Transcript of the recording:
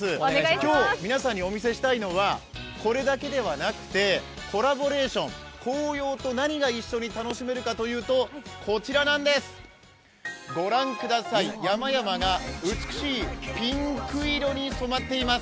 今日皆さんにお見せしたいのはこれだけではなくて、コラボレーション、紅葉と何が一緒に楽しめるかというとこちらなんです、ご覧ください、山々が美しいピンク色に染まっています。